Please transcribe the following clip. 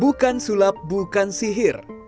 bukan sulap bukan sihir